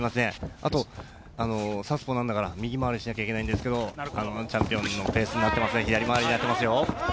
あと、サウスポーなんだから右回りしなくちゃいけないんですけどチャンピオンのペースになってますね、左回りになってますよ。